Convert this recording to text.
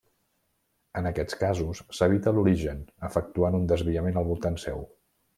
En aquests casos s'evita l'origen efectuant un desviament al voltant seu.